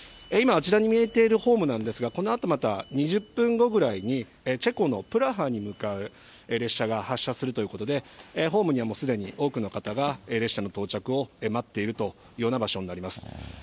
今、あちらに見えているホームなんですが、このあとまた２０分後ぐらいにチェコのプラハに向かう列車が発車するということで、ホームにはもうすでに多くの方が列車の到着を待っているというような場所になります。